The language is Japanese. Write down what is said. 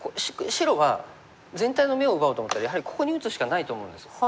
白は全体の眼を奪おうと思ったらやはりここに打つしかないと思うんです。